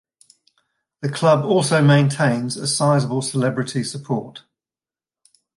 The club also maintains a sizeable celebrity support.